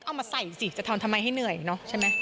เอามาใส่สิจะทอนทำไมให้เหนื่อยเนอะใช่ไหม